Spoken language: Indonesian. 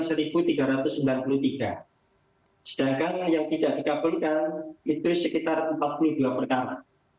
sedangkan yang tidak dikabulkan itu sekitar empat puluh dua perkara